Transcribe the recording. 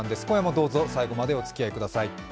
今夜もどうぞ最後までおつきあいください。